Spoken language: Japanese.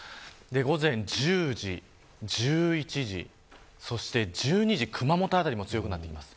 午前１０時、１１時そして１２時、熊本辺りも強くなっています。